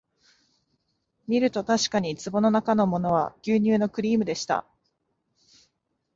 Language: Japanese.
みるとたしかに壺のなかのものは牛乳のクリームでした